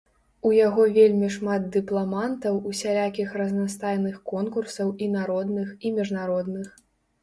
У яго вельмі шмат дыпламантаў усялякіх разнастайных конкурсаў і народных і міжнародных.